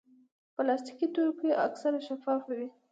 پلاستيکي توکي اکثر شفاف وي.